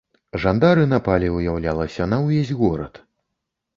Жандары напалі, уяўлялася, на ўвесь горад.